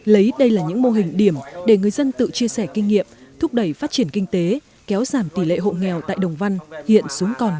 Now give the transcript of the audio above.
lấy đây là những mô hình điểm để người dân tự chia sẻ kinh nghiệm thúc đẩy phát triển kinh tế kéo giảm tỷ lệ hộ nghèo tại đồng văn hiện xuống còn sáu mươi